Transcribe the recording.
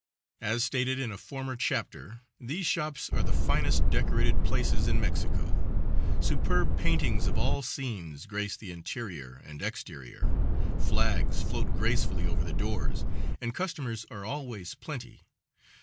As stated in a former chapter, these shops are the finest decorated places in Mexico. Superb paintings of all scenes grace the interior and exterior; flags float gracefully over the doors, and customers are always plenty.